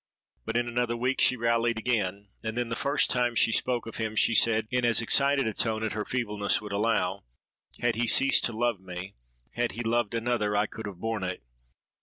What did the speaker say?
But in another week she rallied again; and then the first time she spoke of him, she said in as excited a tone at her feebleness would allow, 'Had he ceased to love me—had he loved another, I could have borne it!